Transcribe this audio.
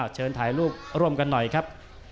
เชิญถ่ายรูปร่วมกันหน่อยครับ